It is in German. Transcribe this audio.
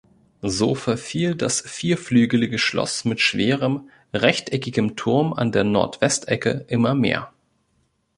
So verfiel das vierflügelige Schloss mit schwerem, rechteckigem Turm an der Nordwestecke immer mehr.